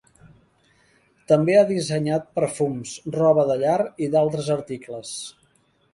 També ha dissenyat perfums, roba de llar i d'altres articles.